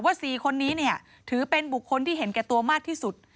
๔คนนี้เนี่ยถือเป็นบุคคลที่เห็นแก่ตัวมากที่สุด